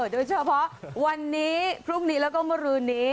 โดยเฉพาะวันนี้พรุ่งนี้แล้วก็เมื่อคืนนี้